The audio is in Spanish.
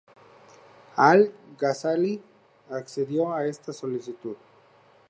Al-Ghazali accedió a esta solicitud.